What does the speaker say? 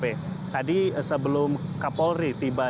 jadi tadi sebelum kapolri tiba